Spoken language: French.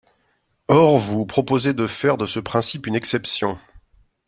Or, vous proposez de faire de ce principe une exception.